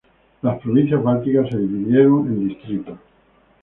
Las provincias bálticas se dividieron en distritos.